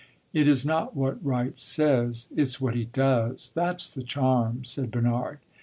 "It is not what Wright says; it 's what he does. That 's the charm!" said Bernard.